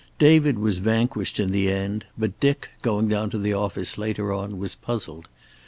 David was vanquished in the end, but Dick, going down to the office later on, was puzzled.